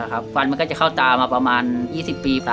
กว่านมันจะเข้าตามาประมาณ๒๐ปีป่ะ